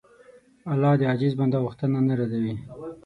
الله د عاجز بنده غوښتنه نه ردوي.